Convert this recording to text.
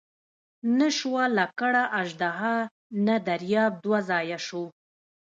نه شوه لکړه اژدها نه دریاب دوه ځایه شو.